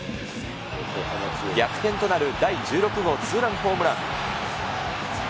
逆転となる第１６号ツーランホームラン。